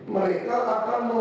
dari apa itu